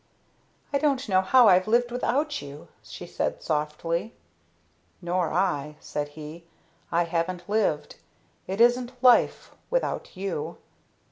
"I don't know how I've lived without you," she said softly. "Nor I," said he. "I haven't lived. It isn't life without you.